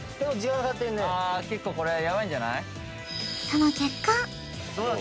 結構これはヤバいんじゃない？